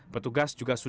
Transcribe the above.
petugas juga susun